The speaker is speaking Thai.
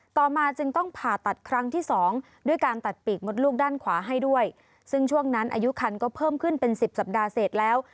ต่อมาจึงต้องผ่าตัดครั้งที่สองด้วยการตัดปีกมดลูกด้านขวาให้ด้วยซึ่งช่วงนั้นอายุคันก็เพิ่มขึ้นเป็นสิบสัปดาห์เสร็จแล้ว